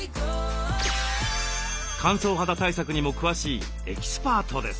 乾燥肌対策にも詳しいエキスパートです。